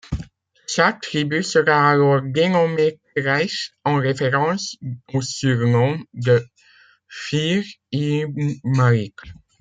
Sa tribu sera alors dénommée Quraych en référence au surnom de Fihr ibn Malik.